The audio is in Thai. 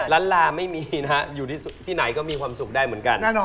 ลาไม่มีนะฮะอยู่ที่ไหนก็มีความสุขได้เหมือนกัน